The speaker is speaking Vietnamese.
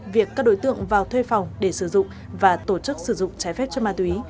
việc các đối tượng vào thuê phòng để sử dụng và tổ chức sử dụng trái phép cho ma túy